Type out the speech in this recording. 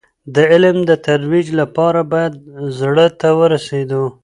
د علم د ترویج لپاره باید زړه ته ورسېدو.